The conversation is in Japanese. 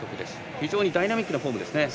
非常にダイナミックなフォームですね。